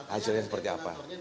hasilnya seperti apa